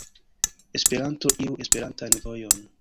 Esperanto iru Esperantan vojon.